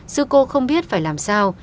sư cô không biết phải làm sao